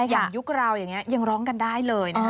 อย่างยุคราวอย่างนี้ยังร้องกันได้เลย